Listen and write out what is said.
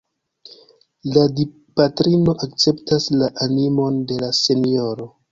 La Dipatrino akceptas la animon de la senjoro.